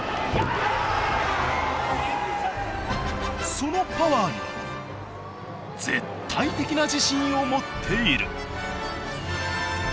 そのパワーには絶対的な自信を持っている。